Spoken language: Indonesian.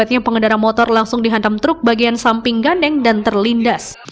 saatnya pengendara motor langsung dihantam truk bagian samping gandeng dan terlindas